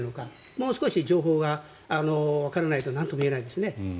もう少し情報がわからないとなんともいえないですね。